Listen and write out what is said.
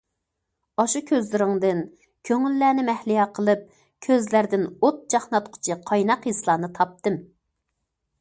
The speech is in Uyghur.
ئاشۇ كۆزلىرىڭدىن كۆڭۈللەرنى مەھلىيا قىلىپ كۆزلەردىن ئوت چاقناتقۇچى قايناق ھېسلارنى تاپتىم!